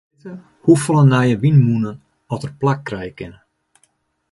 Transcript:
Sy wol witte hoefolle nije wynmûnen oft dêr in plak krije kinne.